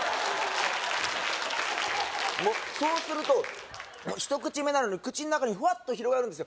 もうそうすると一口目なのに口ん中にフワッと広がるんですよ